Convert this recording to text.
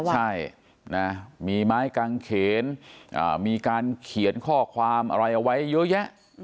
ใช่มีไม้กางเขนมีการเขียนข้อความอะไรเอาไว้เยอะแยะ